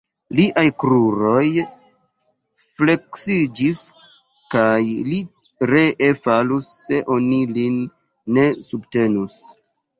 Liaj kruroj fleksiĝis, kaj li ree falus, se oni lin ne subtenus.